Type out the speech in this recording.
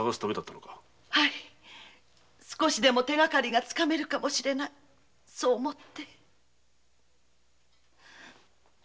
少しでも手がかりがつかめるかもしれないと思って。